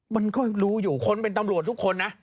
มันก็รู้อยู่คนเป็นตำรวจทุกคนนะ